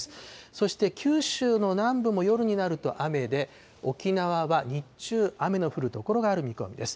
そして九州の南部も夜になると雨で、沖縄は日中、雨の降る所がある見込みです。